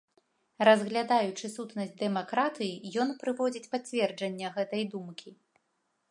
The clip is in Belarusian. Разглядаючы сутнасць дэмакратыі, ён прыводзіць пацверджання гэтай думкі.